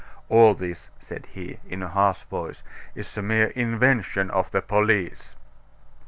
"All this," said he, in a harsh voice, "is a mere invention of the police!"